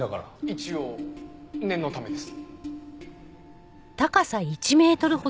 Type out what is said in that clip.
一応念のためです。